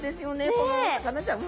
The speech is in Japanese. このお魚ちゃんは。